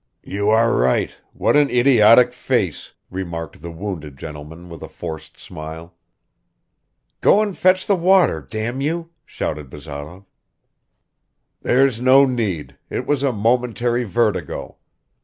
"You are right ... what an idiotic face!" remarked the wounded gentleman with a forced smile. "Go and fetch the water, damn you!" shouted Bazarov. "There's no need ... it was a momentary vertigo.